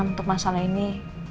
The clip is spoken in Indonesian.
untuk masalah ini